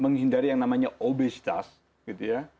menghindari yang namanya obesitas gitu ya